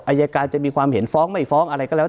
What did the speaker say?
อายการจะมีความเห็นฟ้องไม่ฟ้องอะไรก็แล้ว